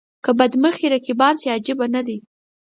که بد مخي رقیبان شي عجب نه دی.